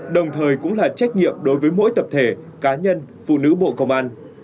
đồng thời cũng là trách nhiệm đối với mỗi tập thể cá nhân phụ nữ bộ công an